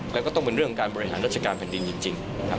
แล้วก็ต้องเป็นเรื่องการบริหารราชการแผ่นดินจริงนะครับ